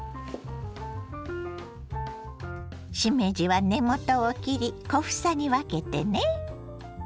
しめじは根元を切り小房に分けてね。